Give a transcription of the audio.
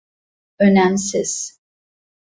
Önemsiz.